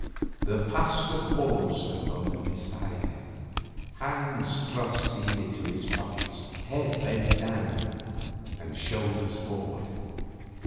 The Pasteur paused a moment beside him, hands thrust deep into his pockets, head bent down, and shoulders forward.